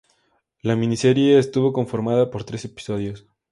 La miniserie estuvo conformada por tres episodios.